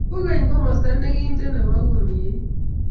kocheny komosto ne kinto nebo kumyet